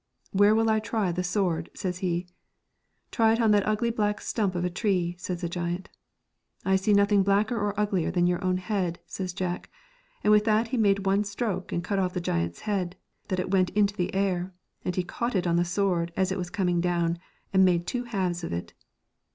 ' Where will I try the sword ?' says he. 1 Try it on that ugly black stump of a tree,' says the giant. ' I see nothing blacker or uglier than your own head,' says Jack. And with that he made one stroke, and cut off the giant's head that it went into the air, and he caught it on the sword as it was coming down, and made two halves of it.